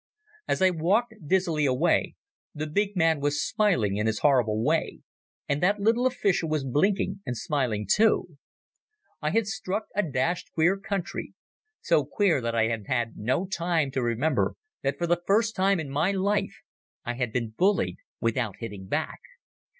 As I walked dizzily away the big man was smiling in his horrible way, and that little official was blinking and smiling too. I had struck a dashed queer country, so queer that I had had no time to remember that for the first time in my life I had been bullied without hitting back.